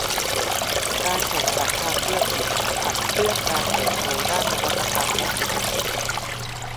การแข่งขันทางธุรกิจขับเคลื่อนการเติบโตด้านนวัตกรรมและเศรษฐกิจ